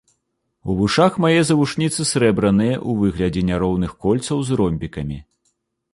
У вушах мае завушніцы срэбраныя ў выглядзе няроўных кольцаў з ромбікамі.